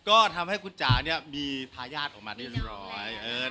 ก็ทำให้คุณจ๋าเนี่ยมีทายาทออกมาได้เรียบร้อย